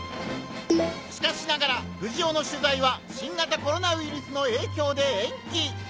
しかしながら藤尾の取材は『新型コロナウイルス』の影響で延期！